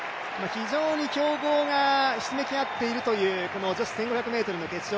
強豪がひしめき合っているという女子１５００ｍの決勝